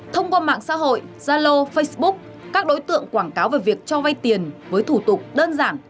thông qua mạng xã hội zalo facebook các đối tượng quảng cáo về việc cho vay tiền với thủ tục đơn giản